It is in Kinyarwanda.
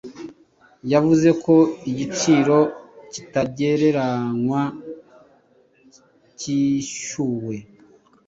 Yavuze ko igiciro kitagereranywa cyishyuwe